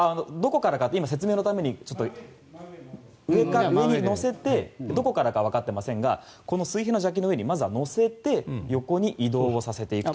説明のために上に乗せてどこからかわかってませんが水平のジャッキの上にまずは載せて横に移動させていくと。